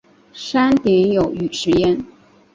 山顶有雨石庵。